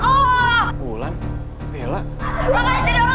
kamu jadi orang keluarga